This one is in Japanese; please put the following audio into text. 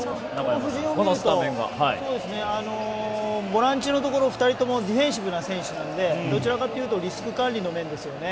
ボランチのところ２人ともディフェンシブな選手なのでどちらかというとリスク管理の面ですよね。